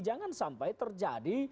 jangan sampai terjadi